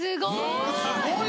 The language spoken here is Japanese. すごい！